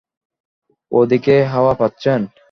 ও দিকে হাওয়া পাচ্ছেন?